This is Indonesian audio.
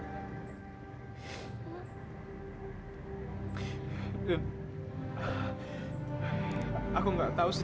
aku gak tau sejak kapan aku cinta sama kamu ayah